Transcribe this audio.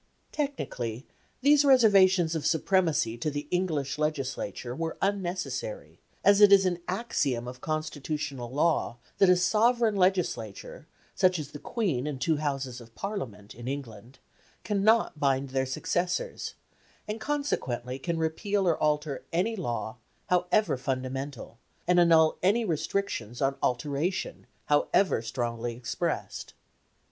Technically these reservations of supremacy to the English Legislature were unnecessary, as it is an axiom of constitutional law that a sovereign Legislature, such as the Queen and two Houses of Parliament in England, cannot bind their successors, and consequently can repeal or alter any law, however fundamental, and annul any restrictions on alteration, however strongly expressed.